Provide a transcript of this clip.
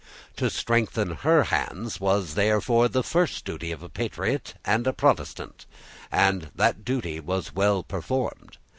To strengthen her hands was, therefore, the first duty of a patriot and a Protestant; and that duty was well performed.